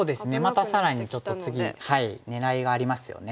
また更にちょっと次狙いがありますよね。